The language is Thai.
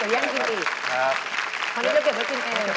ขอเรียกว่าเก็บกินเอง